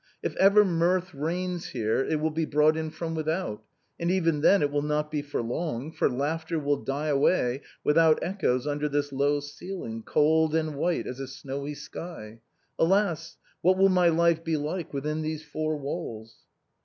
If ever mirth reigns here it will be brought in from without, and even then it will not be for long, for laughter will die away without echoes under this low ceiling, cold and white as a snowy sky. Alas! what will my life be like within these four walls